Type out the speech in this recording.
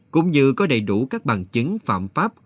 cũng như có đầy đủ các bằng chứng phạm pháp